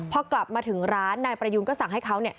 พอกลับมาถึงร้านนายประยูนก็สั่งให้เขา